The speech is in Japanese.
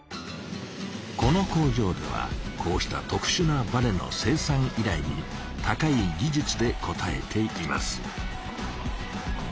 この工場ではこうした特しゅなバネの生産いらいに高い技術でこたえています。